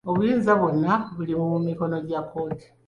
Obuyinza bwonna buli mu mikono gya kkooti.